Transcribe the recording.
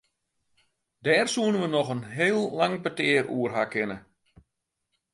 Dêr soenen we noch in heel lang petear oer ha kinne.